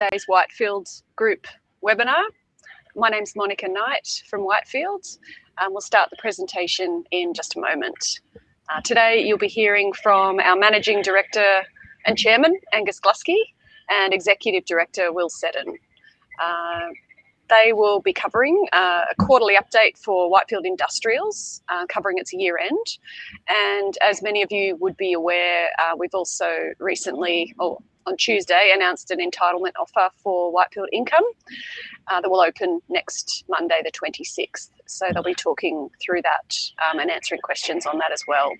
Today's Whitefield's group webinar. My name's Monica Knight from Whitefield. We'll start the presentation in just a moment. Today, you'll be hearing from our Managing Director and Chairman, Angus Gluskie, and Executive Director, Will Seddon. They will be covering a quarterly update for Whitefield Industrials, covering its year-end. As many of you would be aware, we've also recently, or on Tuesday, announced an entitlement offer for Whitefield Income, that will open next Monday the 26th. They'll be talking through that, and answering questions on that as well.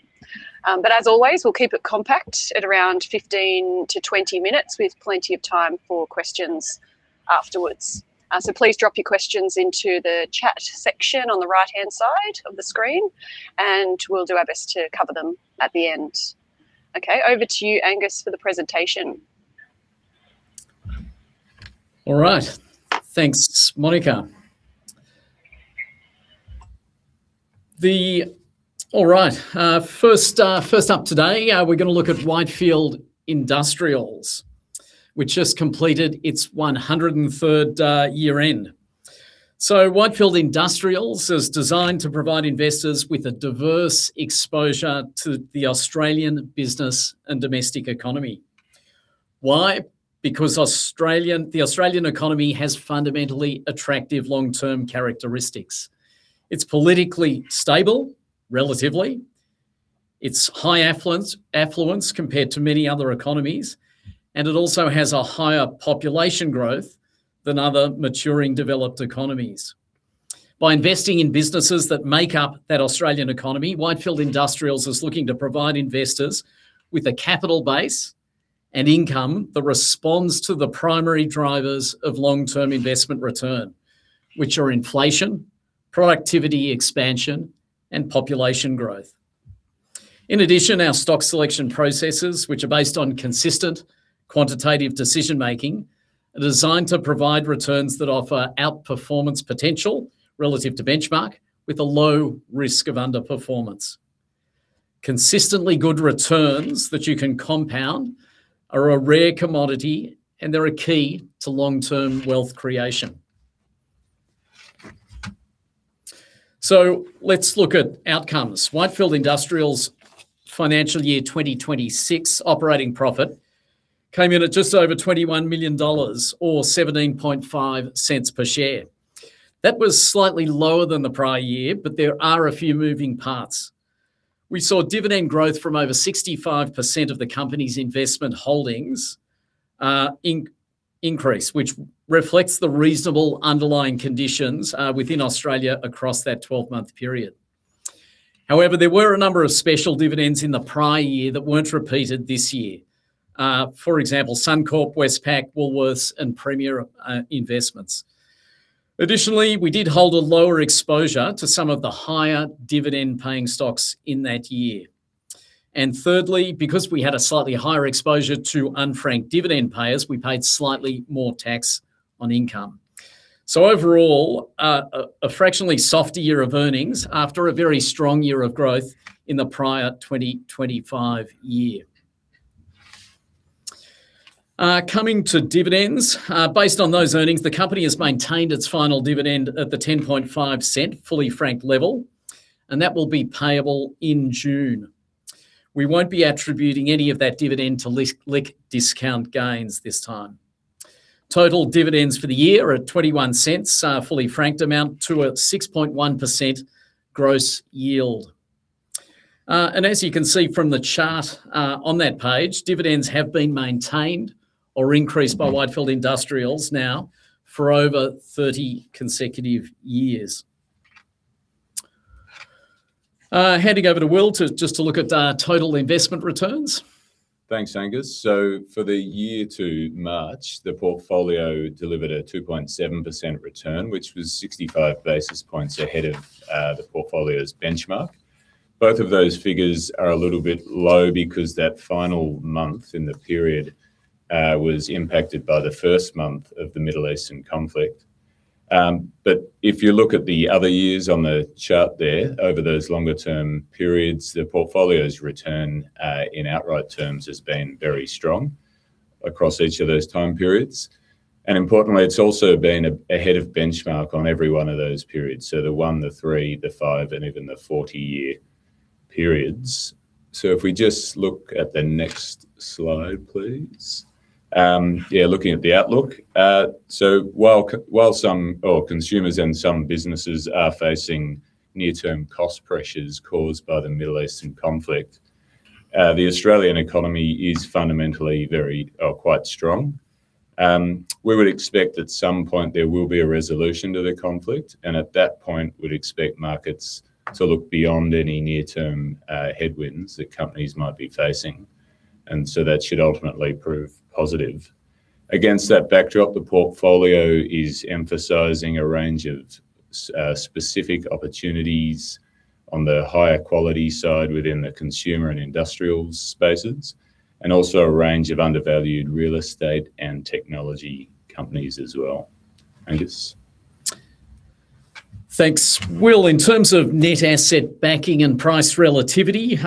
As always, we'll keep it compact at around 15-20 minutes, with plenty of time for questions afterwards. Please drop your questions into the chat section on the right-hand side of the screen. We'll do our best to cover them at the end. Okay, over to you, Angus, for the presentation. Thanks, Monica. First up today, we're going to look at Whitefield Industrials, which just completed its 103rd year-end. Whitefield Industrials is designed to provide investors with a diverse exposure to the Australian business and domestic economy. Why? Because the Australian economy has fundamentally attractive long-term characteristics. It's politically stable, relatively. It's high affluence compared to many other economies, and it also has a higher population growth than other maturing developed economies. By investing in businesses that make up that Australian economy, Whitefield Industrials is looking to provide investors with a capital base and income that responds to the primary drivers of long-term investment return, which are inflation, productivity expansion, and population growth. In addition, our stock selection processes, which are based on consistent quantitative decision-making, are designed to provide returns that offer out-performance potential relative to benchmark, with a low risk of underperformance. Consistently good returns that you can compound are a rare commodity, and they're a key to long-term wealth creation. Let's look at outcomes. Whitefield Industrials' financial year 2026 operating profit came in at just over 21 million dollars, or 0.175 per share. That was slightly lower than the prior year, but there are a few moving parts. We saw dividend growth from over 65% of the company's investment holdings increase, which reflects the reasonable underlying conditions within Australia across that 12-month period. However, there were a number of special dividends in the prior year that weren't repeated this year. For example, Suncorp, Westpac, Woolworths, and Premier Investments. Additionally, we did hold a lower exposure to some of the higher dividend-paying stocks in that year. Thirdly, because we had a slightly higher exposure to unfranked dividend payers, we paid slightly more tax on income. Overall, a fractionally softer year of earnings after a very strong year of growth in the prior 2025 year. Coming to dividends. Based on those earnings, the company has maintained its final dividend at the 0.105 fully franked level, and that will be payable in June. We won't be attributing any of that dividend to LIC discount gains this time. Total dividends for the year are at 0.21, fully franked amount to a 6.1% gross yield. As you can see from the chart, on that page, dividends have been maintained or increased by Whitefield Industrials now for over 30 consecutive years. Handing over to Will just to look at total investment returns. Thanks, Angus. For the year to March, the portfolio delivered a 2.7% return, which was 65 basis points ahead of the portfolio's benchmark. Both of those figures are a little bit low because that final month in the period was impacted by the first month of the Middle Eastern conflict. If you look at the other years on the chart there, over those longer-term periods, the portfolio's return, in outright terms, has been very strong across each of those time periods. Importantly, it's also been ahead of benchmark on every one of those periods. The one, the three, the five, and even the 40-year periods. If we just look at the next slide, please. Yeah, looking at the outlook. While some consumers and some businesses are facing near-term cost pressures caused by the Middle Eastern conflict, the Australian economy is fundamentally quite strong. We would expect at some point there will be a resolution to the conflict, and at that point, would expect markets to look beyond any near-term headwinds that companies might be facing. That should ultimately prove positive. Against that backdrop, the portfolio is emphasizing a range of specific opportunities on the higher quality side within the consumer and industrials spaces, and also a range of undervalued real estate and technology companies as well. Thanks. Will, in terms of net asset backing and price relativity,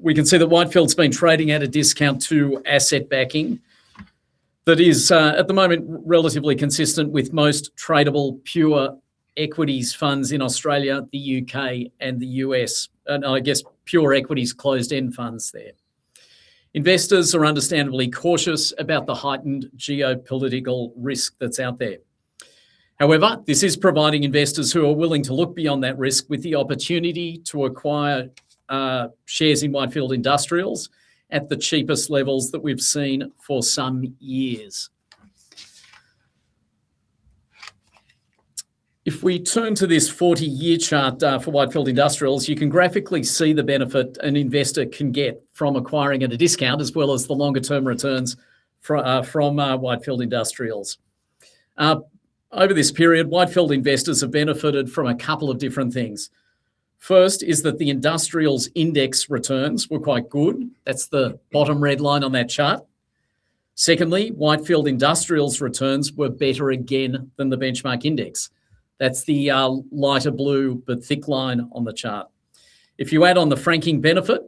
we can see that Whitefield's been trading at a discount to asset backing that is, at the moment, relatively consistent with most tradable pure equities funds in Australia, the U.K., and the U.S., and I guess pure equities closed-end funds there. Investors are understandably cautious about the heightened geopolitical risk that's out there. However, this is providing investors who are willing to look beyond that risk with the opportunity to acquire shares in Whitefield Industrials at the cheapest levels that we've seen for some years. If we turn to this 40-year chart for Whitefield Industrials, you can graphically see the benefit an investor can get from acquiring at a discount, as well as the longer-term returns from Whitefield Industrials. Over this period, Whitefield investors have benefited from a couple of different things. First is that the Industrials index returns were quite good. That's the bottom red line on that chart. Secondly, Whitefield Industrials' returns were better again than the benchmark index. That's the lighter blue, the thick line on the chart. If you add on the franking benefit,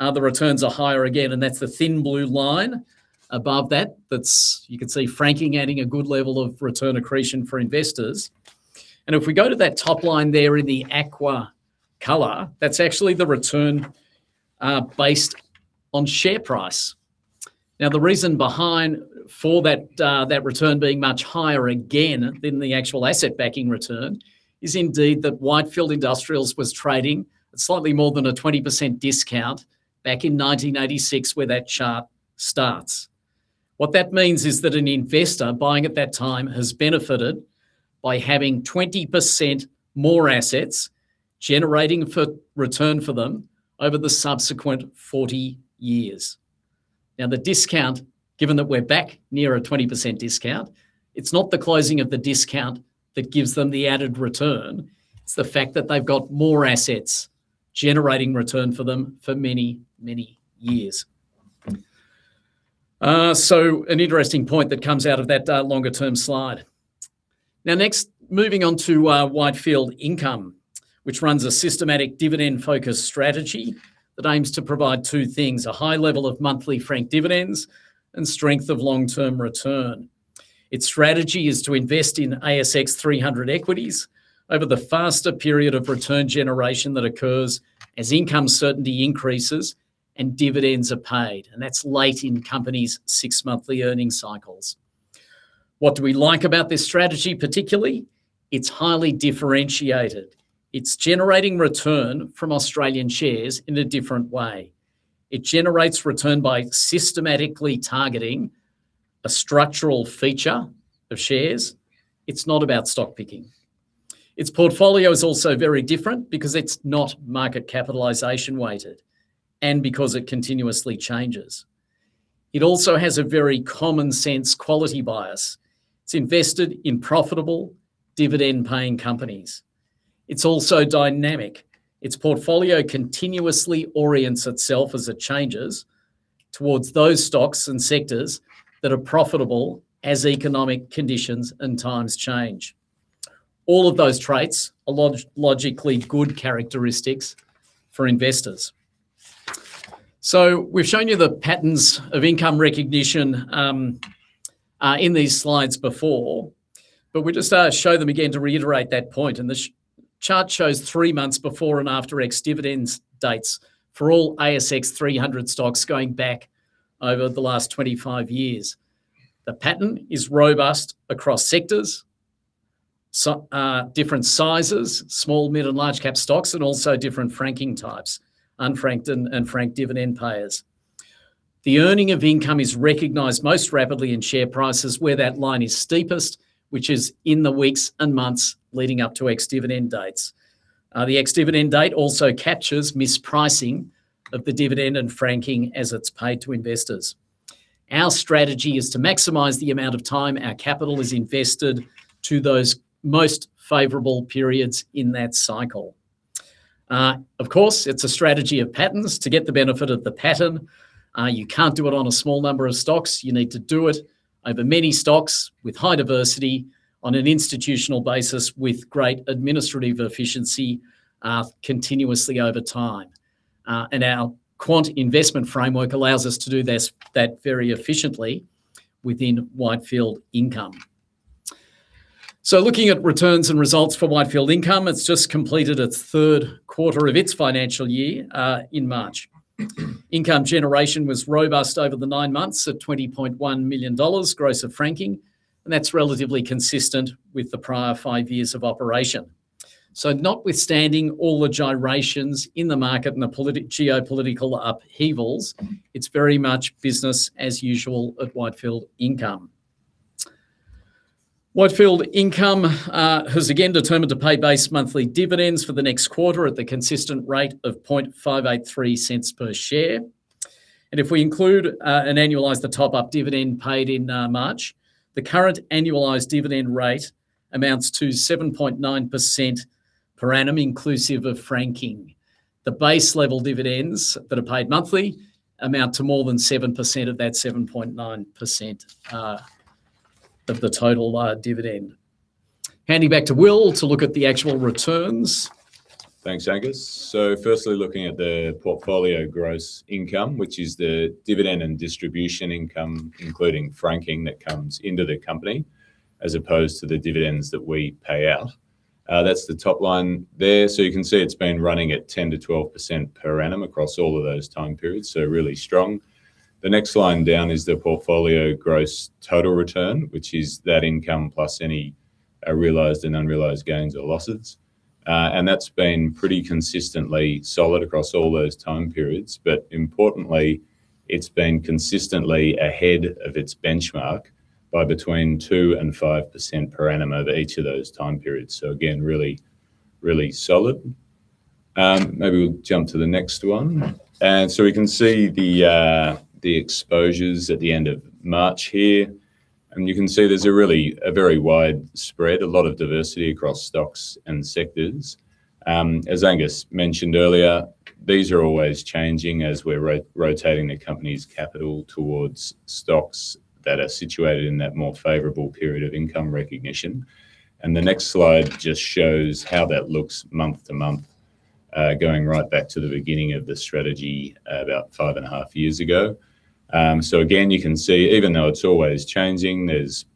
the returns are higher again. That's the thin blue line above that. You could see franking adding a good level of return accretion for investors. If we go to that top line there in the aqua color, that's actually the return based on share price. The reason for that return being much higher again than the actual asset backing return is indeed that Whitefield Industrials was trading at slightly more than a 20% discount back in 1986, where that chart starts. What that means is that an investor buying at that time has benefited by having 20% more assets generating return for them over the subsequent 40 years. The discount, given that we're back near a 20% discount, it's not the closing of the discount that gives them the added return, it's the fact that they've got more assets generating return for them for many, many years. An interesting point that comes out of that longer-term slide. Next, moving on to Whitefield Income, which runs a systematic dividend-focused strategy that aims to provide two things, a high level of monthly franked dividends and strength of long-term return. Its strategy is to invest in ASX 300 equities over the faster period of return generation that occurs as income certainty increases and dividends are paid, and that's late in companies' six monthly earning cycles. What do we like about this strategy particularly? It's highly differentiated. It's generating return from Australian shares in a different way. It generates return by systematically targeting a structural feature of shares. It's not about stock picking. Its portfolio is also very different because it's not market capitalization weighted and because it continuously changes. It also has a very common-sense quality bias. It's invested in profitable dividend-paying companies. It's also dynamic. Its portfolio continuously orients itself as it changes towards those stocks and sectors that are profitable as economic conditions and times change. All of those traits are logically good characteristics for investors. We've shown you the patterns of income recognition in these slides before, but we'll just show them again to reiterate that point, and this chart shows three months before and after ex-dividend dates for all ASX 300 stocks going back over the last 25 years. The pattern is robust across sectors, different sizes, small, mid, and large cap stocks, and also different franking types, unfranked and franked dividend payers. The earning of income is recognized most rapidly in share prices where that line is steepest, which is in the weeks and months leading up to ex-dividend dates. The ex-dividend date also captures mispricing of the dividend and franking as it's paid to investors. Our strategy is to maximize the amount of time our capital is invested to those most favorable periods in that cycle. Of course, it's a strategy of patterns. To get the benefit of the pattern, you can't do it on a small number of stocks. You need to do it over many stocks with high diversity on an institutional basis with great administrative efficiency continuously over time. Our quant investment framework allows us to do that very efficiently within Whitefield Income. Looking at returns and results for Whitefield Income, it's just completed its third quarter of its financial year in March. Income generation was robust over the nine months at 20.1 million dollars gross of franking, and that's relatively consistent with the prior five years of operation. Notwithstanding all the gyrations in the market and the geopolitical upheavals, it's very much business as usual at Whitefield Income. Whitefield Income has again determined to pay base monthly dividends for the next quarter at the consistent rate of 0.0583 per share. If we include and annualize the top-up dividend paid in March, the current annualized dividend rate amounts to 7.9% per annum inclusive of franking. The base level dividends that are paid monthly amount to more than 7% of that 7.9% of the total dividend. Handing back to Will to look at the actual returns. Thanks, Angus. Firstly, looking at the portfolio gross income, which is the dividend and distribution income, including franking, that comes into the company as opposed to the dividends that we pay out. That's the top line there. You can see it's been running at 10%-12% per annum across all of those time periods. Really strong. The next line down is the portfolio gross total return, which is that income plus any realized and unrealized gains or losses. That's been pretty consistently solid across all those time periods. Importantly, it's been consistently ahead of its benchmark by between 2% and 5% per annum over each of those time periods. Again, really solid. Maybe we'll jump to the next one. We can see the exposures at the end of March here, you can see there's a very wide spread, a lot of diversity across stocks and sectors. As Angus mentioned earlier, these are always changing as we're rotating the company's capital towards stocks that are situated in that more favorable period of income recognition. The next slide just shows how that looks month to month, going right back to the beginning of the strategy about five and a half years ago. Again, you can see even though it's always changing, there's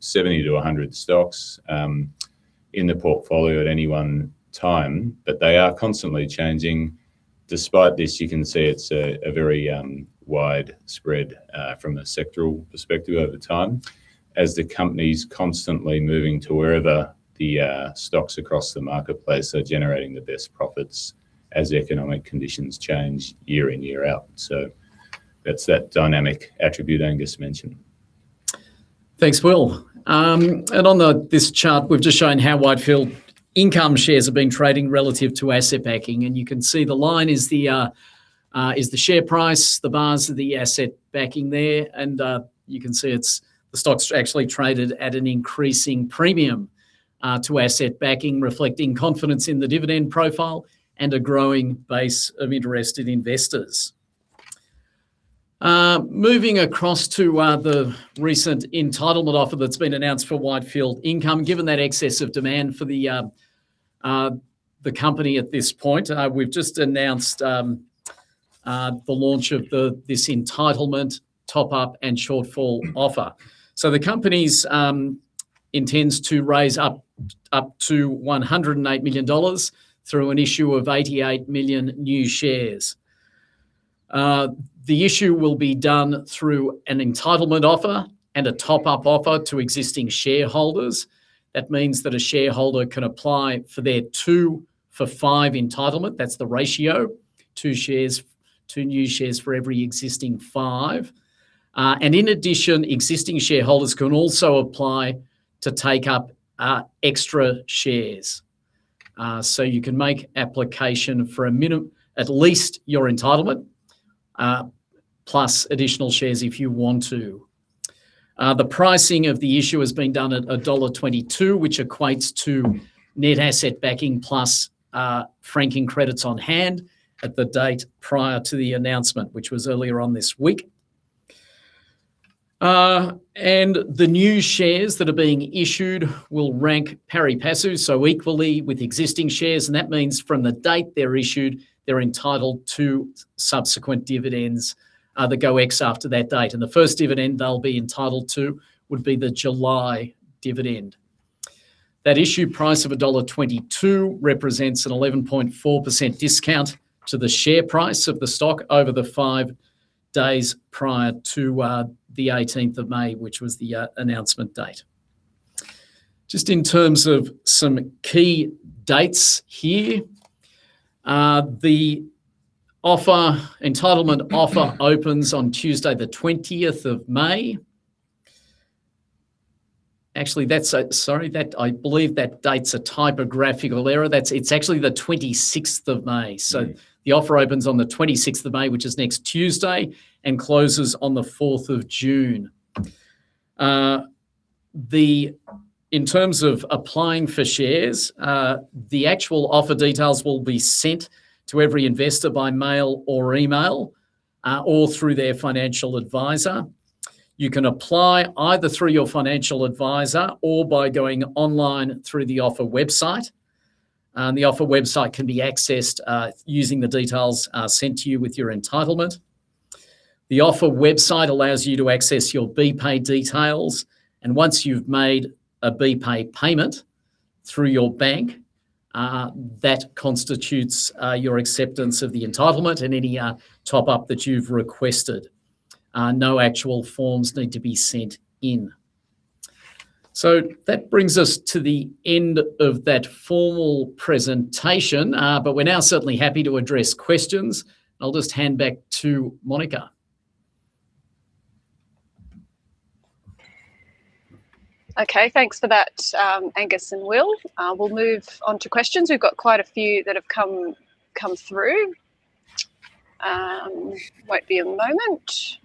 70 to 100 stocks in the portfolio at any one time, but they are constantly changing. Despite this, you can see it's a very wide spread from a sectoral perspective over time, as the company's constantly moving to wherever the stocks across the marketplace are generating the best profits as economic conditions change year in, year out. That's that dynamic attribute Angus mentioned. Thanks, Will. On this chart, we've just shown how Whitefield Income shares have been trading relative to asset backing. You can see the line is the share price, the bars are the asset backing there, and you can see the stock's actually traded at an increasing premium to asset backing, reflecting confidence in the dividend profile and a growing base of interested investors. Moving across to the recent entitlement offer that's been announced for Whitefield Income, given that excessive demand for the company at this point. We've just announced the launch of this entitlement, top-up, and shortfall offer. The company intends to raise up to 108 million dollars through an issue of 88 million new shares. The issue will be done through an entitlement offer and a top-up offer to existing shareholders. That means that a shareholder can apply for their two for five entitlement. That's the ratio, two new shares for every existing five. In addition, existing shareholders can also apply to take up extra shares. You can make application for at least your entitlement, plus additional shares if you want to. The pricing of the issue is being done at dollar 1.22, which equates to net asset backing plus franking credits on hand at the date prior to the announcement, which was earlier on this week. The new shares that are being issued will rank pari passu, so equally with existing shares, and that means from the date they're issued, they're entitled to subsequent dividends that go ex after that date. The first dividend they'll be entitled to would be the July dividend. That issue price of dollar 1.22 represents an 11.4% discount to the share price of the stock over the five days prior to the 18th of May, which was the announcement date. In terms of some key dates here. The entitlement offer opens on Tuesday the 20th of May. Actually, sorry, I believe that date's a typographical error. It's actually the 26th of May. The offer opens on the 26th of May, which is next Tuesday, and closes on the 4th of June. In terms of applying for shares, the actual offer details will be sent to every investor by mail or email, or through their financial advisor. You can apply either through your financial advisor or by going online through the offer website. The offer website can be accessed using the details sent to you with your entitlement. The offer website allows you to access your BPAY details, and once you've made a BPAY payment through your bank, that constitutes your acceptance of the entitlement and any top-up that you've requested. No actual forms need to be sent in. That brings us to the end of that formal presentation, but we're now certainly happy to address questions. I'll just hand back to Monica. Okay. Thanks for that, Angus and Will. We'll move on to questions. We've got quite a few that have come through. Won't be a moment.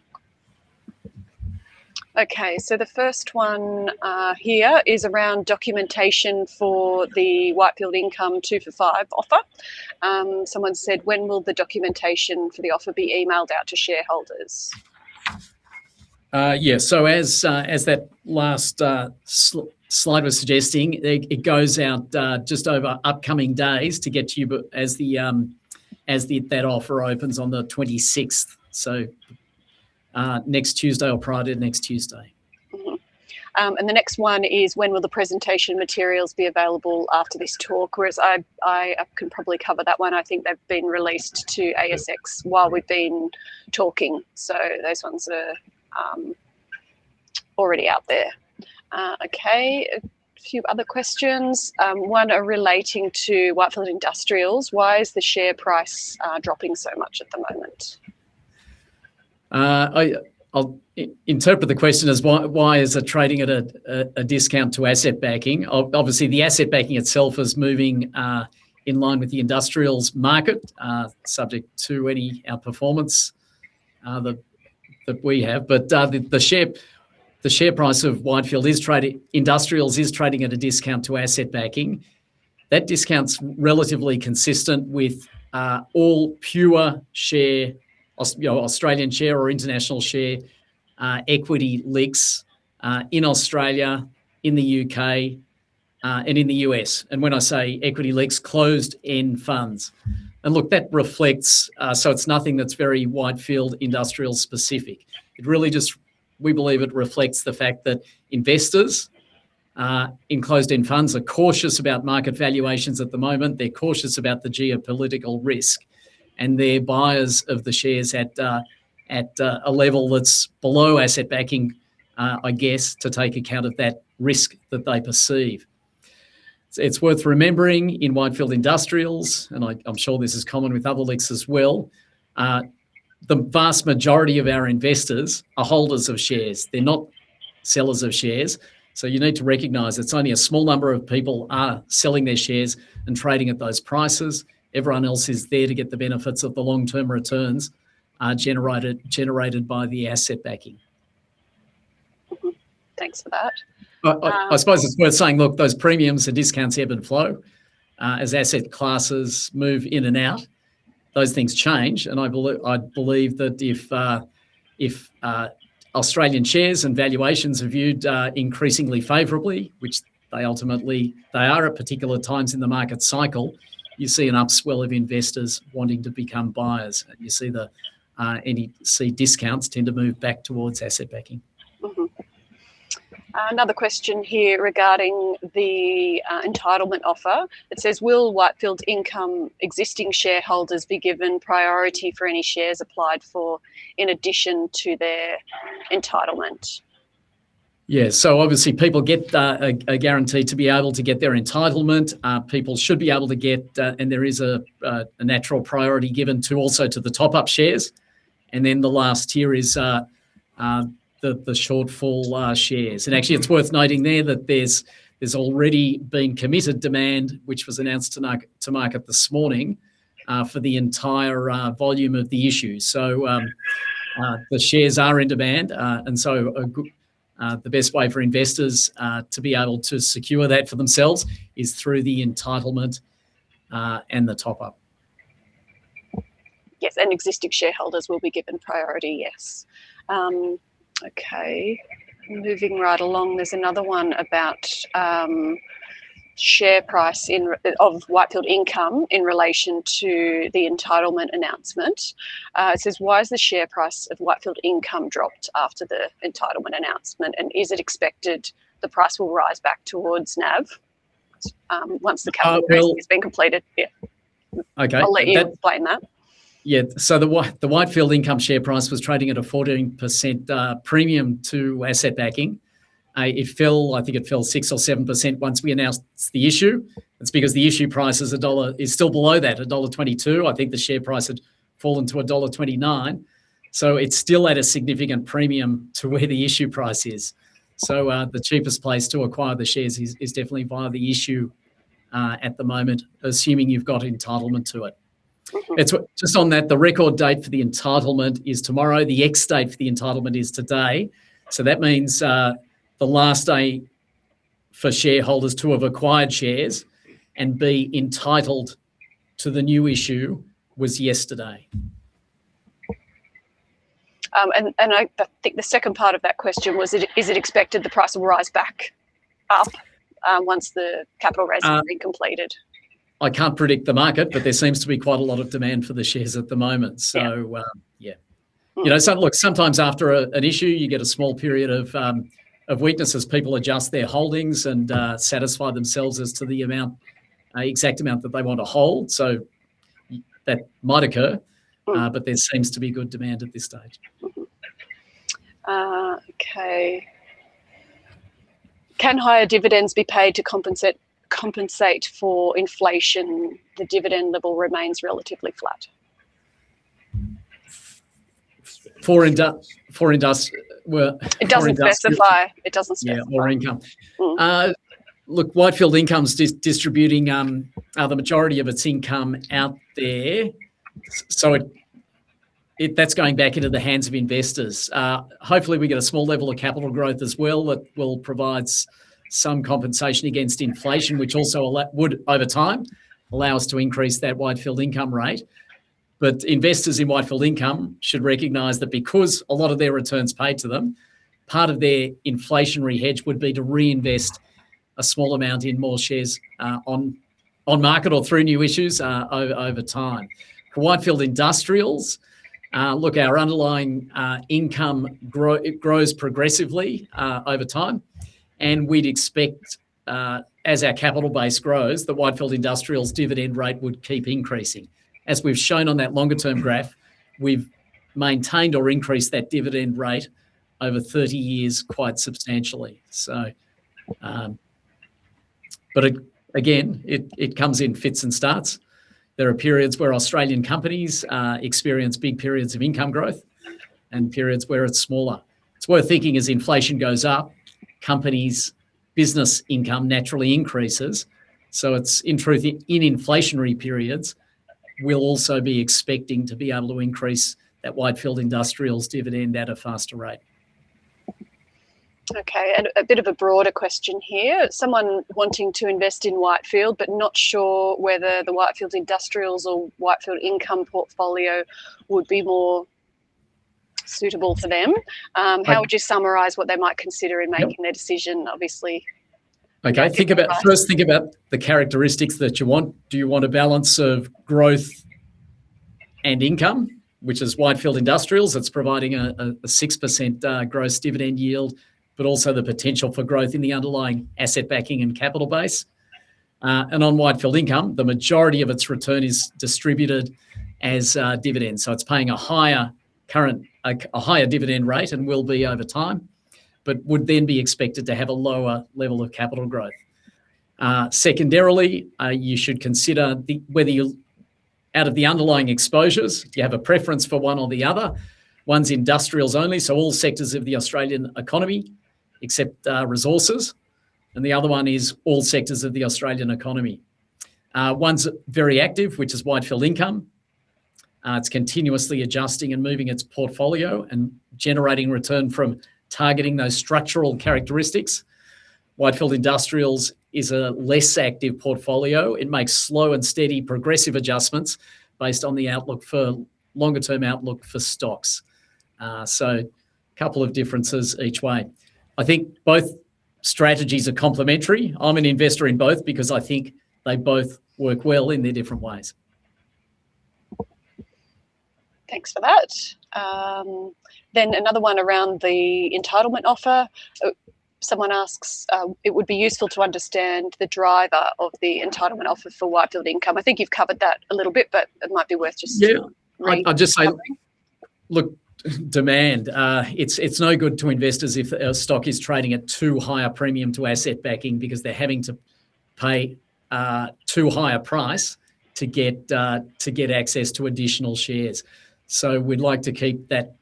Okay. The first one here is around documentation for the Whitefield Income two for five offer. Someone said: "When will the documentation for the offer be emailed out to shareholders? Yeah. As that last slide was suggesting, it goes out just over upcoming days to get to you, but as that offer opens on the 26th, so next Tuesday or prior to next Tuesday. Mm-hmm. The next one is, "When will the presentation materials be available after this talk?" Whereas I can probably cover that one. I think they've been released to ASX. Yeah while we've been talking. Those ones are already out there. Okay. A few other questions. One relating to Whitefield Industrials. "Why is the share price dropping so much at the moment? I'll interpret the question as why is it trading at a discount to asset backing. Obviously, the asset backing itself is moving in line with the industrials market, subject to any outperformance that we have. The share price of Whitefield Industrials is trading at a discount to asset backing. That discount's relatively consistent with all pure Australian share or international share equity LICs in Australia, in the U.K., and in the U.S. When I say equity LICs, closed-end funds. Look, that reflects. It's nothing that's very Whitefield Industrials specific. We believe it reflects the fact that investors in closed-end funds are cautious about market valuations at the moment. They're cautious about the geopolitical risk, and they're buyers of the shares at a level that's below asset backing, I guess, to take account of that risk that they perceive. It's worth remembering, in Whitefield Industrials, and I'm sure this is common with other LICs as well, the vast majority of our investors are holders of shares. They're not sellers of shares. You need to recognize it's only a small number of people are selling their shares and trading at those prices. Everyone else is there to get the benefits of the long-term returns generated by the asset backing. Mm-hmm. Thanks for that. I suppose it's worth saying, look, those premiums and discounts ebb and flow. As asset classes move in and out, those things change, and I believe that if Australian shares and valuations are viewed increasingly favorably, which they ultimately are at particular times in the market cycle, you see an upswell of investors wanting to become buyers, and you see discounts tend to move back towards asset backing. Another question here regarding the entitlement offer. It says, "Will Whitefield Income existing shareholders be given priority for any shares applied for in addition to their entitlement? Yeah. Obviously people get a guarantee to be able to get their entitlement. There is a natural priority given also to the top-up shares. The last here is the shortfall shares. It's worth noting there that there's already been committed demand, which was announced to market this morning, for the entire volume of the issue. The shares are in demand. The best way for investors to be able to secure that for themselves is through the entitlement, and the top-up. Yes. Existing shareholders will be given priority, yes. Okay. Moving right along. There's another one about share price of Whitefield Income in relation to the entitlement announcement. It says, "Why has the share price of Whitefield Income dropped after the entitlement announcement, and is it expected the price will rise back towards NAV once the capital raise? Well- has been completed?" Yeah. Okay. I'll let you explain that. Yeah. The Whitefield Income share price was trading at a 14% premium to asset backing. It fell, I think it fell 6% or 7% once we announced the issue. It's because the issue price is still below that, dollar 1.22. I think the share price had fallen to dollar 1.29, so it's still at a significant premium to where the issue price is. The cheapest place to acquire the shares is definitely via the issue at the moment, assuming you've got entitlement to it. Just on that, the record date for the entitlement is tomorrow. The ex-date for the entitlement is today. That means, the last day for shareholders to have acquired shares and be entitled to the new issue was yesterday. I think the second part of that question was, is it expected the price will rise back up once the capital raise has been completed? I can't predict the market, but there seems to be quite a lot of demand for the shares at the moment. Yeah. Yeah. Look, sometimes after an issue, you get a small period of weakness as people adjust their holdings and satisfy themselves as to the exact amount that they want to hold. That might occur. There seems to be good demand at this stage. Okay. "Can higher dividends be paid to compensate for inflation? The dividend level remains relatively flat. For. It doesn't specify. Yeah. For income. Whitefield Income's distributing the majority of its income out there, that's going back into the hands of investors. Hopefully, we get a small level of capital growth as well that will provide some compensation against inflation, which also would, over time, allow us to increase that Whitefield Income rate. Investors in Whitefield Income should recognize that because a lot of their return's paid to them, part of their inflationary hedge would be to reinvest a small amount in more shares on market or through new issues over time. For Whitefield Industrials, look, our underlying income grows progressively over time, we'd expect, as our capital base grows, the Whitefield Industrials dividend rate would keep increasing. As we've shown on that longer-term graph, we've maintained or increased that dividend rate over 30 years quite substantially. Again, it comes in fits and starts. There are periods where Australian companies experience big periods of income growth and periods where it is smaller. It is worth thinking as inflation goes up, companies' business income naturally increases, so in inflationary periods, we will also be expecting to be able to increase that Whitefield Industrials dividend at a faster rate. Okay. A bit of a broader question here. Someone wanting to invest in Whitefield, but not sure whether the Whitefield Industrials or Whitefield Income portfolio would be more suitable for them. Okay. How would you summarize what they might consider. Yep in making their decision? Obviously. First think about the characteristics that you want. Do you want a balance of growth and income, which is Whitefield Industrials? That's providing a 6% gross dividend yield, also the potential for growth in the underlying asset backing and capital base. On Whitefield Income, the majority of its return is distributed as dividends. It's paying a higher dividend rate, and will be over time, but would then be expected to have a lower level of capital growth. Secondarily, you should consider whether, out of the underlying exposures, do you have a preference for one or the other? One's industrials only, so all sectors of the Australian economy except resources, and the other one is all sectors of the Australian economy. One's very active, which is Whitefield Income. It's continuously adjusting and moving its portfolio and generating return from targeting those structural characteristics. Whitefield Industrials is a less active portfolio. It makes slow and steady progressive adjustments based on the longer-term outlook for stocks. Couple of differences each way. I think both strategies are complementary. I'm an investor in both because I think they both work well in their different ways. Thanks for that. Another one around the entitlement offer. Someone asks: "It would be useful to understand the driver of the entitlement offer for Whitefield Income." I think you've covered that a little bit, but it might be worth. Yeah re-covering. I'll just say, look, demand. It's no good to investors if a stock is trading at too high a premium to asset backing because they're having to pay too high a price to get access to additional shares. We'd like to keep that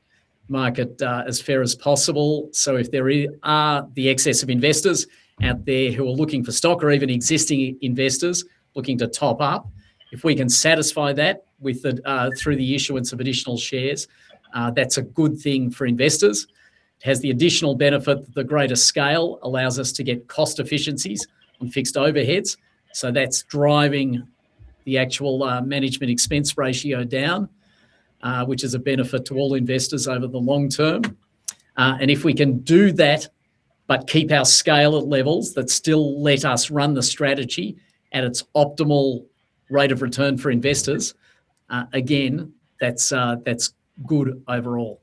market as fair as possible. If there are the excess of investors out there who are looking for stock or even existing investors looking to top up, if we can satisfy that through the issuance of additional shares, that's a good thing for investors. It has the additional benefit that the greater scale allows us to get cost efficiencies on fixed overheads, that's driving the actual management expense ratio down, which is a benefit to all investors over the long term. If we can do that, but keep our scale at levels that still let us run the strategy at its optimal rate of return for investors, again, that's good overall.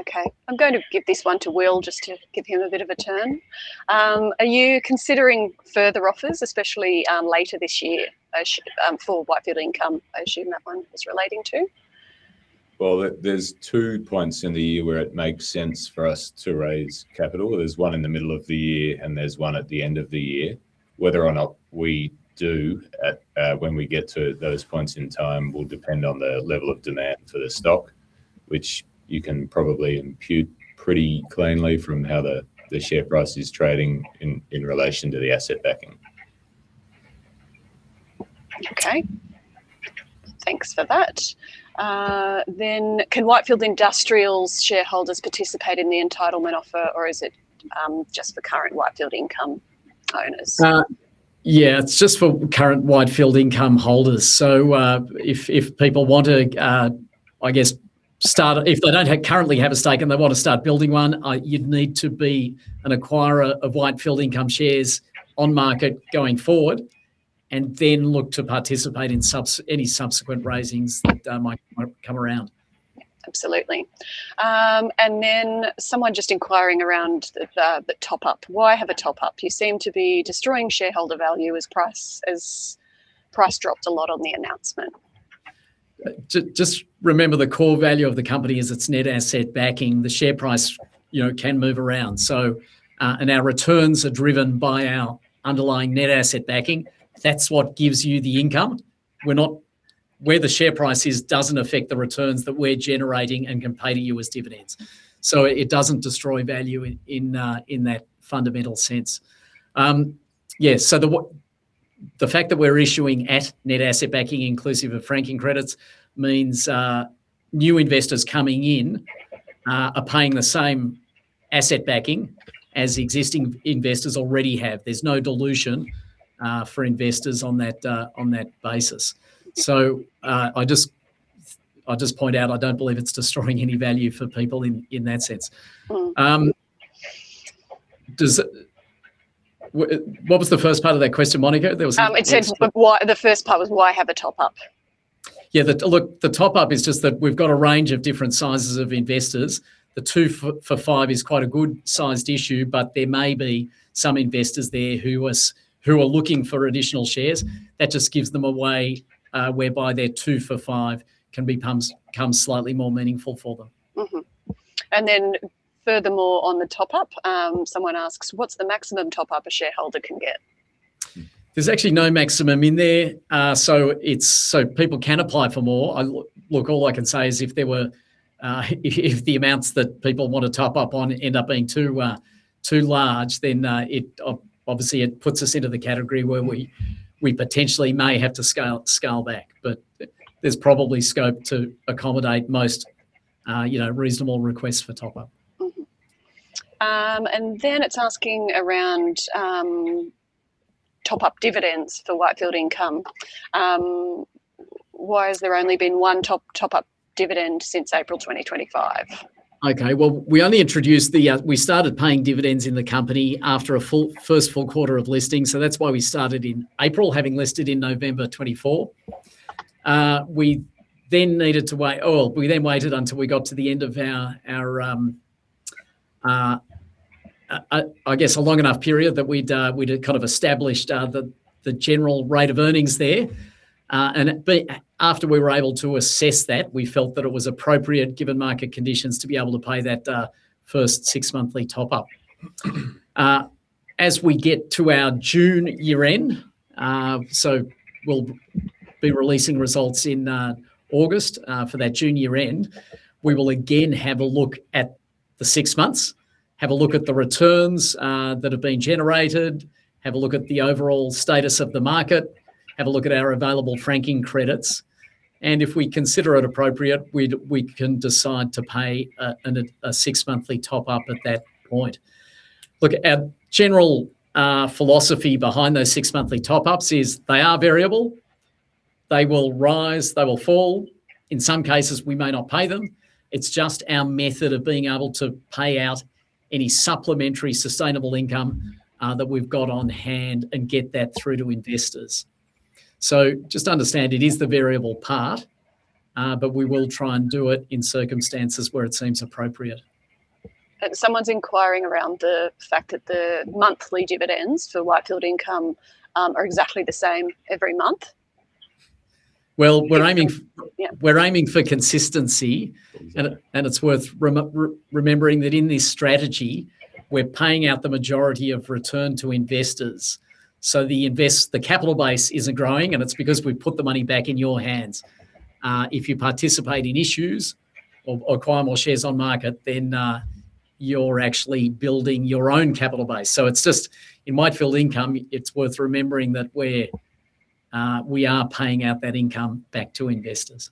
Okay. I'm going to give this one to Will just to give him a bit of a turn. Are you considering further offers, especially later this year, for Whitefield Income? I assume that one is relating to. Well, there's two points in the year where it makes sense for us to raise capital. There's one in the middle of the year, and there's one at the end of the year. Whether or not we do when we get to those points in time will depend on the level of demand for the stock, which you can probably impute pretty cleanly from how the share price is trading in relation to the asset backing. Okay. Thanks for that. Can Whitefield Industrials shareholders participate in the entitlement offer, or is it just for current Whitefield Income owners? Yeah, it's just for current Whitefield Income holders. If people don't currently have a stake and they want to start building one, you'd need to be an acquirer of Whitefield Income shares on market going forward, and then look to participate in any subsequent raisings that might come around. Yeah, absolutely. Someone just inquiring around the top-up. Why have a top-up? You seem to be destroying shareholder value as price dropped a lot on the announcement. Remember the core value of the company is its net asset backing. The share price can move around, our returns are driven by our underlying net asset backing. That's what gives you the income. Where the share price is doesn't affect the returns that we're generating and can pay to you as dividends. It doesn't destroy value in that fundamental sense. Yeah, the fact that we're issuing at net asset backing inclusive of franking credits means new investors coming in are paying the same asset backing as existing investors already have. There's no dilution for investors on that basis. I'll just point out, I don't believe it's destroying any value for people in that sense. What was the first part of that question, Monica? It said, the first part was why have a top-up? Yeah, look, the top-up is just that we've got a range of different sizes of investors. The two for five is quite a good sized issue, but there may be some investors there who are looking for additional shares. That just gives them a way whereby their two for five can become slightly more meaningful for them. Mm-hmm. Furthermore, on the top-up, someone asks: "What's the maximum top-up a shareholder can get? There's actually no maximum in there, so people can apply for more. Look, all I can say is if the amounts that people want to top up on end up being too large, then obviously it puts us into the category where we potentially may have to scale back. There's probably scope to accommodate most reasonable requests for top-up. It's asking around top-up dividends for Whitefield Income. Why has there only been one top-up dividend since April 2025? Well, we started paying dividends in the company after a first full quarter of listing, so that's why we started in April, having listed in November 2024. We waited until we got to the end of, I guess, a long enough period that we'd kind of established the general rate of earnings there. After we were able to assess that, we felt that it was appropriate, given market conditions, to be able to pay that first six-monthly top-up. As we get to our June year-end, so we'll be releasing results in August for that June year-end, we will again have a look at the six months, have a look at the returns that have been generated, have a look at the overall status of the market, have a look at our available franking credits. If we consider it appropriate, we can decide to pay a six-monthly top-up at that point. Our general philosophy behind those six monthly top-ups is they are variable. They will rise, they will fall. In some cases, we may not pay them. It's just our method of being able to pay out any supplementary sustainable income that we've got on hand and get that through to investors. Just understand it is the variable part, but we will try and do it in circumstances where it seems appropriate. Someone's inquiring around the fact that the monthly dividends for Whitefield Income are exactly the same every month. Well. Yeah We're aiming for consistency, it's worth remembering that in this strategy, we're paying out the majority of return to investors. The capital base isn't growing, and it's because we put the money back in your hands. If you participate in issues or acquire more shares on market, then you're actually building your own capital base. In Whitefield Income, it's worth remembering that we are paying out that income back to investors.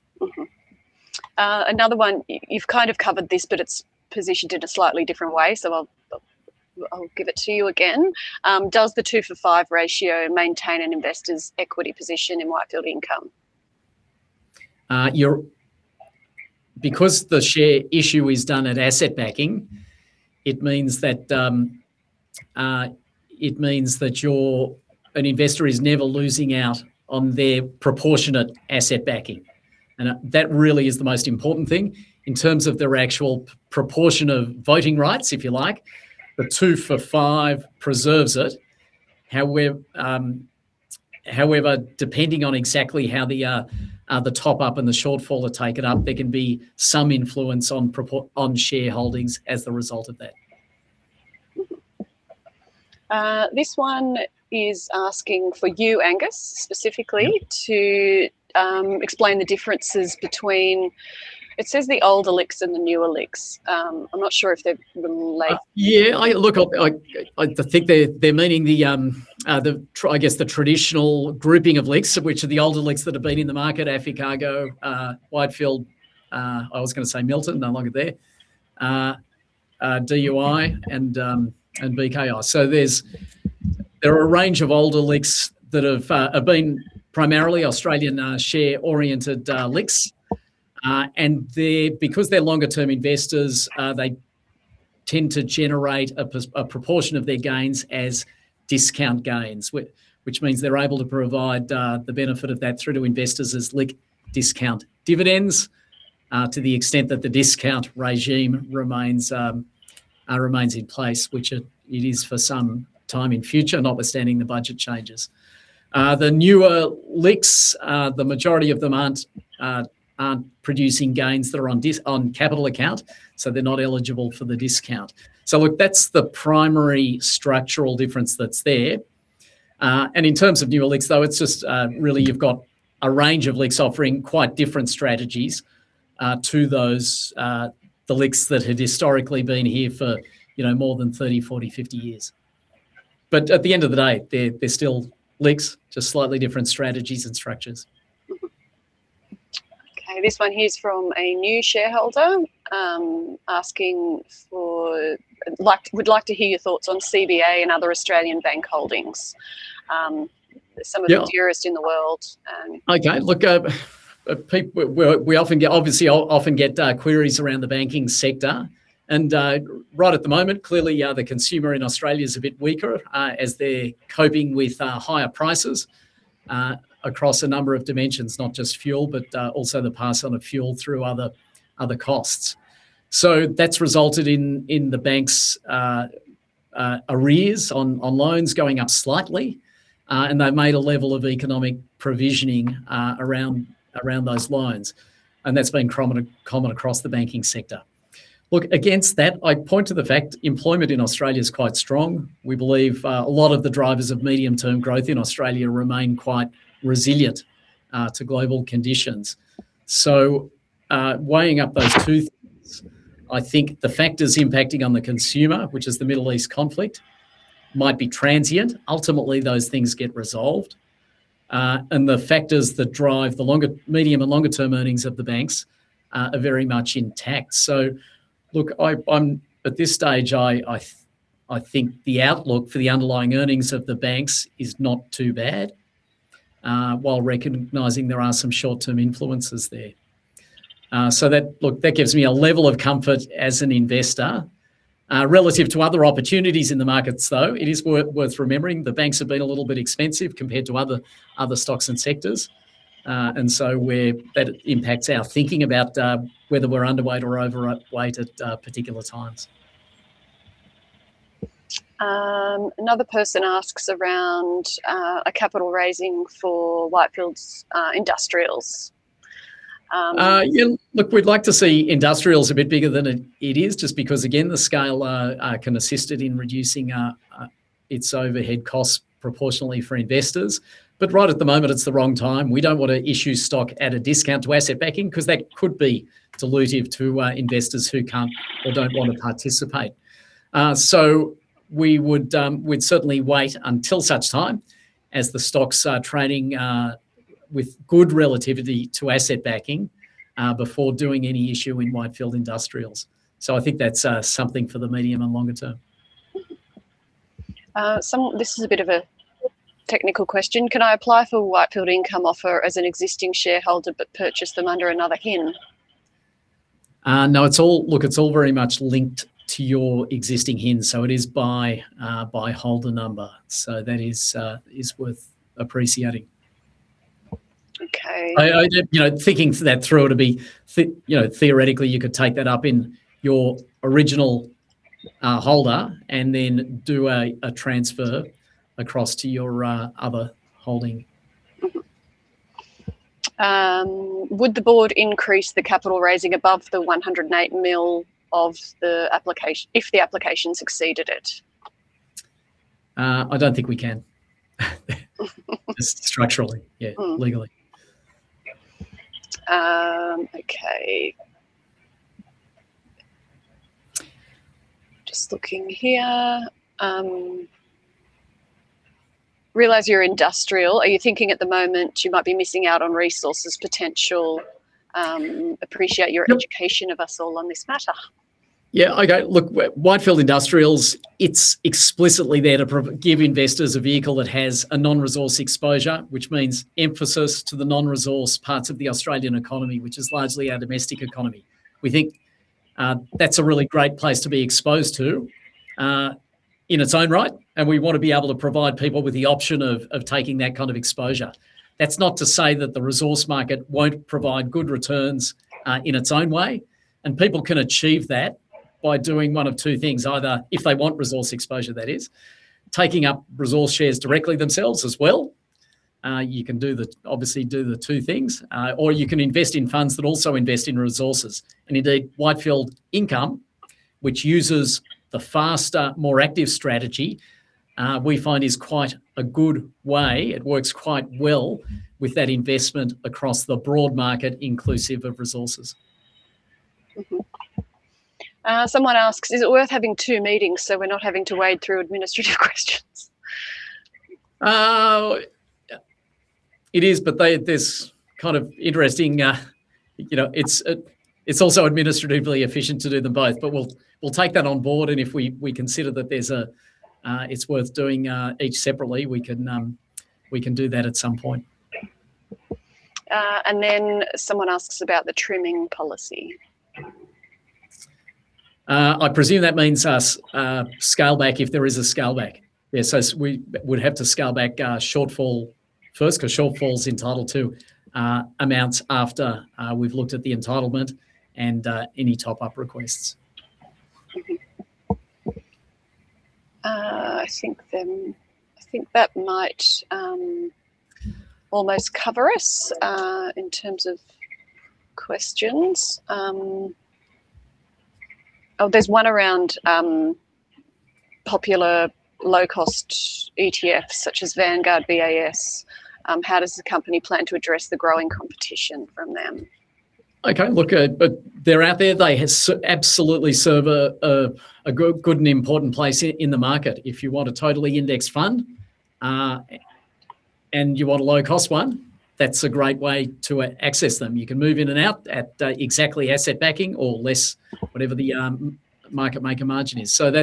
Another one, you've kind of covered this. It's positioned in a slightly different way. I'll give it to you again. Does the two for five ratio maintain an investor's equity position in Whitefield Income? The share issue is done at asset backing, it means that an investor is never losing out on their proportionate asset backing, and that really is the most important thing. In terms of their actual proportion of voting rights, if you like, the two for five preserves it. Depending on exactly how the top-up and the shortfall are taken up, there can be some influence on shareholdings as the result of that. Mm-hmm. This one is asking for you, Angus, specifically, to explain the differences between, it says the old LICs and the new LICs. I'm not sure if they've labeled- Look, I think they're meaning, I guess, the traditional grouping of LICs, which are the older LICs that have been in the market, AFI, Argo, Whitefield. I was going to say Milton, no longer there. DUI and BKI. There are a range of older LICs that have been primarily Australian share-oriented LICs. Because they're longer-term investors, they tend to generate a proportion of their gains as discount gains, which means they're able to provide the benefit of that through to investors as LICs discount dividends, to the extent that the discount regime remains in place, which it is for some time in future, notwithstanding the budget changes. The newer LICs, the majority of them aren't producing gains that are on capital account, so they're not eligible for the discount. Look, that's the primary structural difference that's there. In terms of newer LICs, though, it's just really you've got a range of LICs offering quite different strategies to the LICs that had historically been here for more than 30, 40, 50 years. At the end of the day, they're still LICs, just slightly different strategies and structures. Okay, this one here's from a new shareholder. I would like to hear your thoughts on CBA and other Australian bank holdings. Yeah. Some of the dearest in the world. Okay. Look, obviously I'll often get queries around the banking sector. Right at the moment, clearly, the consumer in Australia's a bit weaker, as they're coping with higher prices across a number of dimensions, not just fuel, but also the pass on of fuel through other costs. That's resulted in the banks' arrears on loans going up slightly. They've made a level of economic provisioning around those lines. That's been common across the banking sector. Look, against that, I point to the fact employment in Australia's quite strong. We believe a lot of the drivers of medium-term growth in Australia remain quite resilient to global conditions. Weighing up those two things, I think the factors impacting on the consumer, which is the Middle East conflict, might be transient. Ultimately, those things get resolved, and the factors that drive the medium and longer term earnings of the banks are very much intact. Look, at this stage, I think the outlook for the underlying earnings of the banks is not too bad, while recognizing there are some short-term influences there. That, look, that gives me a level of comfort as an investor. Relative to other opportunities in the markets, though, it is worth remembering the banks have been a little bit expensive compared to other stocks and sectors. That impacts our thinking about whether we're underweight or overweight at particular times. Another person asks around a capital raising for Whitefield Industrials. We'd like to see Whitefield Industrials a bit bigger than it is, just because again, the scale can assist it in reducing its overhead costs proportionally for investors. Right at the moment, it's the wrong time. We don't want to issue stock at a discount to asset backing, because that could be dilutive to investors who can't or don't want to participate. We'd certainly wait until such time as the stock's trading with good relativity to asset backing before doing any issue in Whitefield Industrials. I think that's something for the medium and longer term. This is a bit of a technical question. Can I apply for Whitefield Income offer as an existing shareholder but purchase them under another HIN? No. Look, it's all very much linked to your existing HIN, so it is by holder number. That is worth appreciating. Okay. Thinking for that through to be, theoretically you could take that up in your original holder and then do a transfer across to your other holding. Would the board increase the capital raising above the 108 million if the application succeeded it? I don't think we can. Just structurally, yeah. Legally. Okay. Just looking here. Realize you're industrial. Are you thinking at the moment you might be missing out on resources potential? Appreciate your education of us all on this matter. Yeah, okay. Look, Whitefield Industrials, it's explicitly there to give investors a vehicle that has a non-resource exposure, which means emphasis to the non-resource parts of the Australian economy, which is largely our domestic economy. We think that's a really great place to be exposed to in its own right, and we want to be able to provide people with the option of taking that kind of exposure. That's not to say that the resource market won't provide good returns in its own way, and people can achieve that by doing one of two things. Either, if they want resource exposure that is, taking up resource shares directly themselves as well, you can obviously do the two things, or you can invest in funds that also invest in resources. Indeed, Whitefield Income, which uses the faster, more active strategy, we find is quite a good way, it works quite well with that investment across the broad market inclusive of resources. Someone asks, "Is it worth having two meetings so we're not having to wade through administrative questions? It is. It's also administratively efficient to do them both. We'll take that on board, and if we consider that it's worth doing each separately, we can do that at some point. Someone asks about the trimming policy. I presume that means scale back if there is a scale back. Yeah, we would have to scale back shortfall first, because shortfall's entitled to amounts after we've looked at the entitlement and any top-up requests. I think that might almost cover us in terms of questions. Oh, there's one around popular low-cost ETFs, such as Vanguard VAS. How does the company plan to address the growing competition from them? Look, they're out there. They absolutely serve a good and important place in the market. If you want a totally index fund, and you want a low-cost one, that's a great way to access them. You can move in and out at exactly asset backing or less, whatever the market maker margin is. They're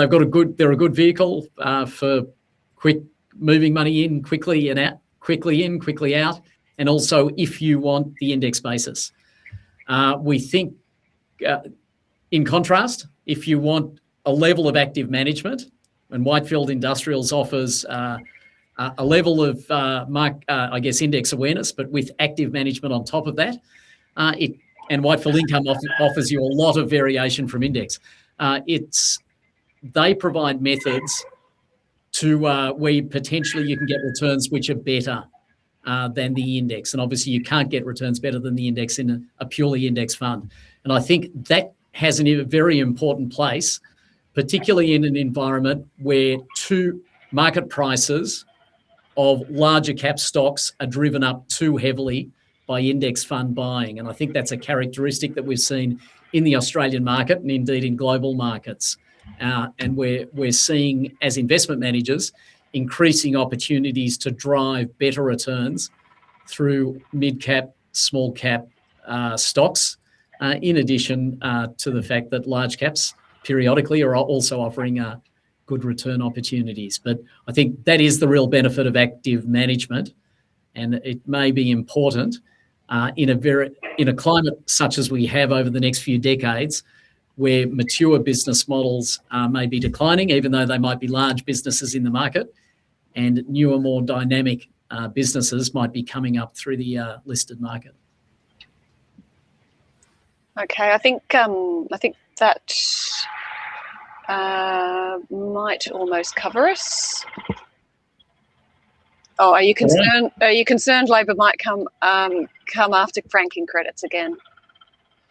a good vehicle for moving money in quickly and out, quickly in, quickly out, and also if you want the index basis. We think, in contrast, if you want a level of active management, and Whitefield Industrials offers a level of, I guess, index awareness, but with active management on top of that, and Whitefield Income offers you a lot of variation from index. They provide methods where potentially you can get returns which are better than the index. Obviously you can't get returns better than the index in a purely index fund. I think that has a very important place, particularly in an environment where two market prices of larger cap stocks are driven up too heavily by index fund buying. I think that's a characteristic that we've seen in the Australian market, and indeed in global markets. We're seeing, as investment managers, increasing opportunities to drive better returns through mid-cap, small-cap stocks, in addition to the fact that large caps periodically are also offering good return opportunities. I think that is the real benefit of active management, and it may be important, in a climate such as we have over the next few decades, where mature business models may be declining, even though they might be large businesses in the market, and newer, more dynamic businesses might be coming up through the listed market. Okay. I think that might almost cover us. Oh, are you concerned Labor might come after franking credits again?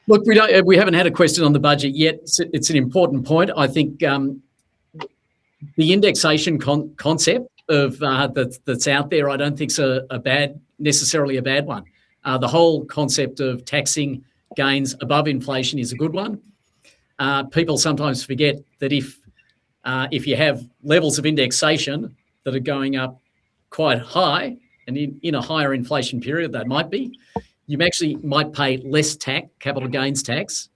Look, we haven't had a question on the budget yet. It's an important point. I think the indexation concept that's out there, I don't think's necessarily a bad one. The whole concept of taxing gains above inflation is a good one. People sometimes forget that if you have levels of indexation that are going up quite high, and in a higher inflation period they might be, you actually might pay less capital gains tax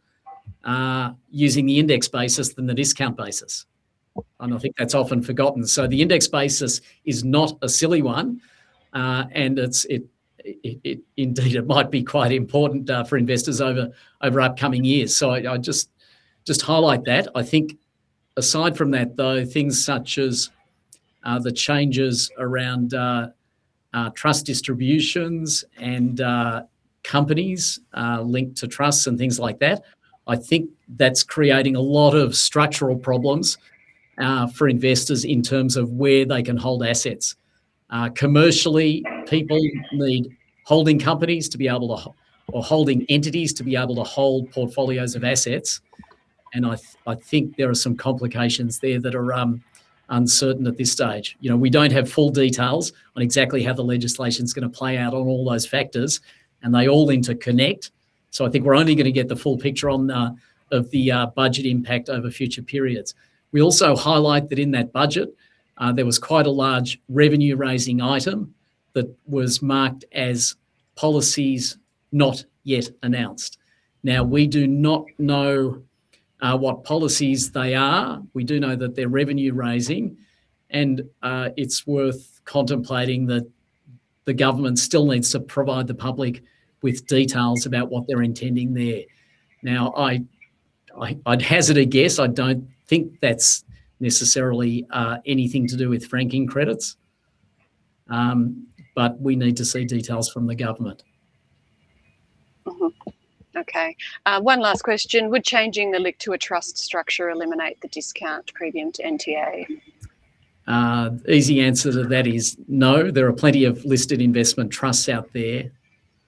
using the index basis than the discount basis, and I think that's often forgotten. The index basis is not a silly one, and indeed, it might be quite important for investors over upcoming years. I just highlight that. I think aside from that though, things such as the changes around trust distributions and companies linked to trusts and things like that, I think that's creating a lot of structural problems for investors in terms of where they can hold assets. Commercially, people need holding companies or holding entities to be able to hold portfolios of assets, and I think there are some complications there that are uncertain at this stage. We don't have full details on exactly how the legislation's going to play out on all those factors, and they all interconnect, so I think we're only going to get the full picture of the budget impact over future periods. We also highlight that in that budget, there was quite a large revenue-raising item that was marked as policies not yet announced. Now, we do not know what policies they are. We do know that they're revenue-raising, and it's worth contemplating that the government still needs to provide the public with details about what they're intending there. Now, I'd hazard a guess, I don't think that's necessarily anything to do with franking credits, but we need to see details from the government. Mm-hmm. Okay. One last question. Would changing the LIC, a trust structure, eliminate the discount premium to NTA? Easy answer to that is no. There are plenty of listed investment trusts out there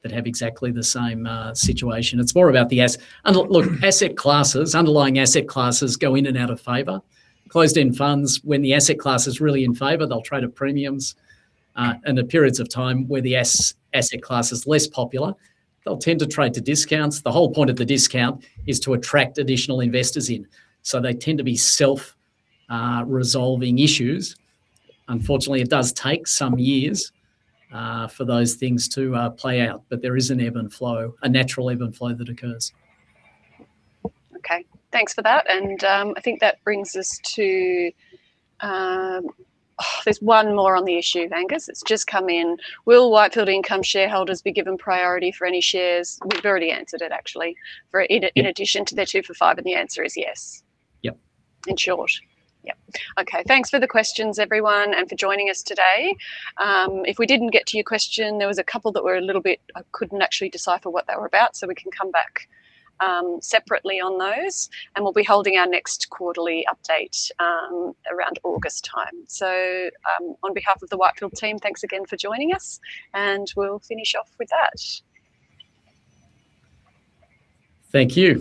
that have exactly the same situation. It's more about the asset classes, underlying asset classes go in and out of favor. Closed-end funds, when the asset class is really in favor, they'll trade at premiums. The periods of time where the asset class is less popular, they'll tend to trade to discounts. The whole point of the discount is to attract additional investors in. They tend to be self-resolving issues. Unfortunately, it does take some years for those things to play out, but there is an ebb and flow, a natural ebb and flow that occurs. Okay. Thanks for that. I think that brings us to There's one more on the issue, Angus. It's just come in. Will Whitefield Income shareholders be given priority for any shares? We've already answered it, actually. In addition to their two for five, the answer is yes. Yep. In short. Yep. Okay. Thanks for the questions, everyone, and for joining us today. If we didn't get to your question, there was a couple that were a little bit, I couldn't actually decipher what they were about, so we can come back separately on those. We'll be holding our next quarterly update around August time. On behalf of the Whitefield team, thanks again for joining us, and we'll finish off with that. Thank you.